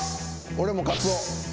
俺もカツオ。